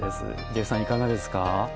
ジェフさん、いかがですか？